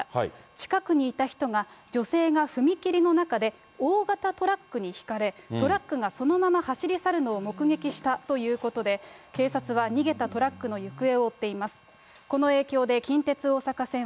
近くにいた人が、女性が踏切の中で、大型トラックにひかれ、トラックがそのまま走り去るのを目撃したということで、警察は逃げたトラックの行方を追っています。